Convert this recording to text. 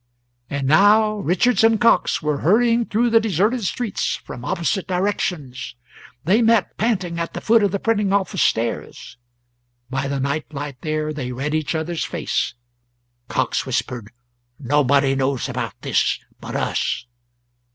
And now Richards and Cox were hurrying through the deserted streets, from opposite directions. They met, panting, at the foot of the printing office stairs; by the night light there they read each other's face. Cox whispered: "Nobody knows about this but us?"